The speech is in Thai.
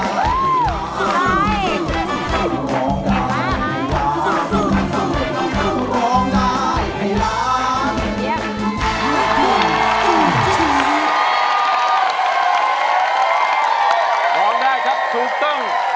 ร้องได้ครับถูกต้อง